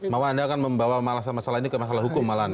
mau anda akan membawa masalah ini ke masalah hukum malah anda